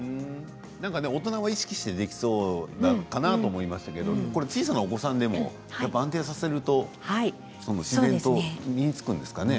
大人は意識してできそうかなと思ったけれども小さなお子さんでも安定させると自然と身につくんですかね？